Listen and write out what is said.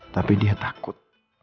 tapi dia takut